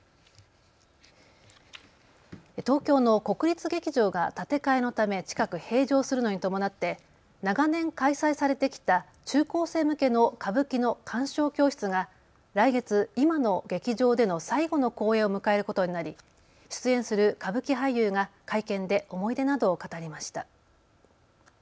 東京の国立劇場が建て替えのため近く閉場するのに伴って長年、開催されてきた中高生向けの歌舞伎の鑑賞教室が来月、今の劇場での最後の公演を迎えることになり出演する歌舞伎俳優が会見で思い出などを語りました。